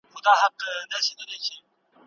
ريا او ځان ښودنه عملونه باطلوي.